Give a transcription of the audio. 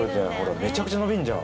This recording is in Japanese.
めちゃくちゃ伸びんじゃん。